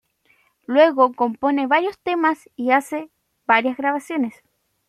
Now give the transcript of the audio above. Luego compone nuevos temas y hace varias grabaciones.